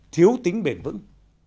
thiếu tính bền vững